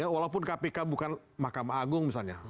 walaupun kpk bukan mahkamah agung misalnya